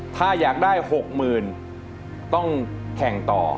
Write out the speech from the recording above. ถ้าอยากได้๖๐๐๐ต้องแข่งต่อ